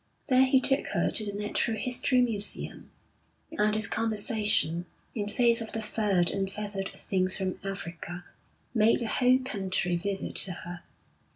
Then he took her to the Natural History Museum, and his conversation, in face of the furred and feathered things from Africa, made the whole country vivid to her.